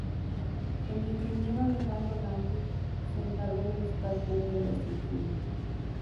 El ingeniero Alejandro Lange se encargó de los cálculos de la estructura.